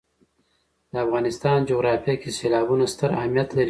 د افغانستان جغرافیه کې سیلابونه ستر اهمیت لري.